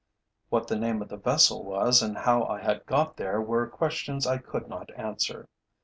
What the name of the vessel was and how I had got there were questions I could not answer.